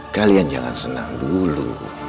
kalian jangan senang dulu